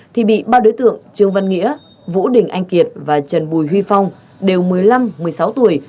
thì bị ba đối tượng trương văn nghĩa vũ đình anh kiệt và trần bùi huy phong đều một mươi năm một mươi sáu tuổi